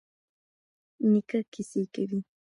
نیکه کیسې کوي.